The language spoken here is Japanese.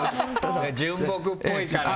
純朴っぽいからね。